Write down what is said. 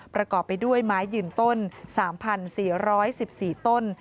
ประกอบไปด้วยไม้ยืนต้น๓๔๑๔ต้น